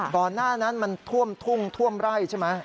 ก่อนหน้านั้นมันท่วมทุ่งท่วมไร่ใช่ไหม